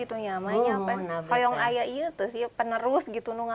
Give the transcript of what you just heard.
atau sudah berusia berusia berusia berusia